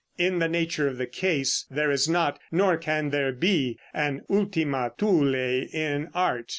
In the nature of the case, there is not, nor can there be an Ultima Thule in art.